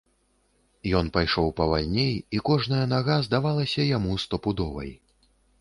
Ён пайшоў павальней, і кожная нага здалася яму стопудовай.